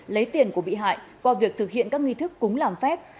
lấy tiền của bị hại qua việc thực hiện các nghi thức cúng làm phép